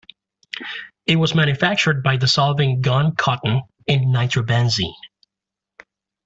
It was manufactured by dissolving gun cotton in nitrobenzene.